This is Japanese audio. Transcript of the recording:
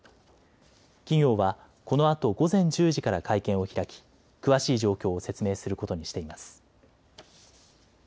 企業はこのあと午前１０時から会見を開き詳しい状況を説明することにしています。